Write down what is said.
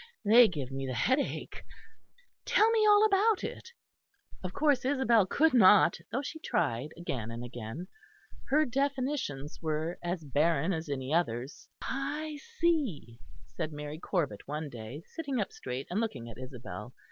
They give me the headache. Tell me all about it." Of course Isabel could not, though she tried again and again. Her definitions were as barren as any others. "I see," said Mary Corbet one day, sitting up straight and looking at Isabel.